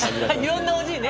いろんなおじいね。